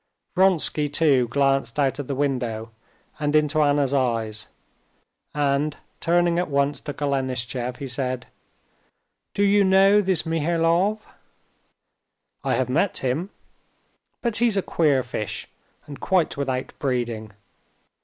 Vronsky, too, glanced out of the window and into Anna's eyes, and, turning at once to Golenishtchev, he said: "Do you know this Mihailov?" "I have met him. But he's a queer fish, and quite without breeding.